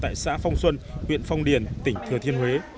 tại xã phong xuân huyện phong điền tỉnh thừa thiên huế